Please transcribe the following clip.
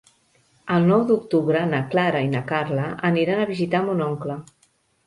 El nou d'octubre na Clara i na Carla aniran a visitar mon oncle.